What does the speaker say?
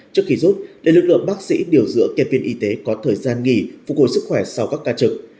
trước khi rút để lực lượng bác sĩ điều dưỡng kê viên y tế có thời gian nghỉ phục hồi sức khỏe sau các ca trực